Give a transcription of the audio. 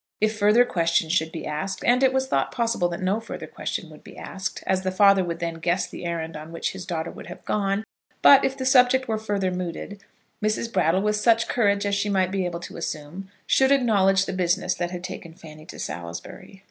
If further question should be asked, and it was thought possible that no further question would be asked, as the father would then guess the errand on which his daughter would have gone, but if the subject were further mooted, Mrs. Brattle, with such courage as she might be able to assume, should acknowledge the business that had taken Fanny to Salisbury.